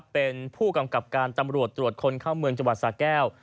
เป็นผู้กำกับการตำรวจตรวจคนเข้าเมืองจังหวัดสาแก้ว